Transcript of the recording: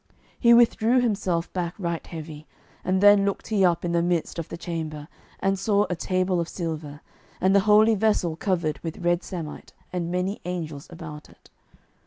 He withdrew himself back right heavy, and then looked he up in the midst of the chamber, and saw a table of silver, and the holy vessel covered with red samite, and many angels about it.